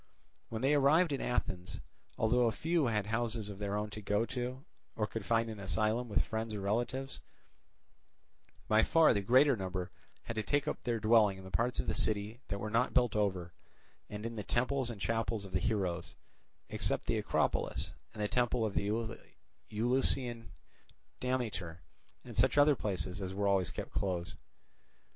When they arrived at Athens, though a few had houses of their own to go to, or could find an asylum with friends or relatives, by far the greater number had to take up their dwelling in the parts of the city that were not built over and in the temples and chapels of the heroes, except the Acropolis and the temple of the Eleusinian Demeter and such other Places as were always kept closed.